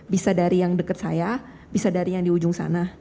bisa dari yang dekat saya bisa dari yang di ujung sana